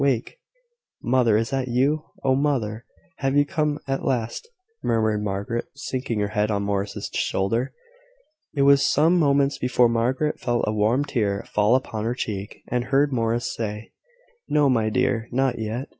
Wake!" "Mother! is it you? Oh, mother! have you come at last?" murmured Margaret, sinking her head on Morris' shoulder. It was some moments before Margaret felt a warm tear fall upon her cheek, and heard Morris say: "No, my dear: not yet.